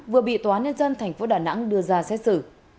vừa bị tòa nhân dân thành phố đà nẵng đưa ra xét xử